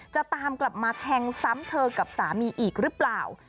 จะตามกลับมาแทงซ้ำเธอกับสามีอีกหรือเปล่า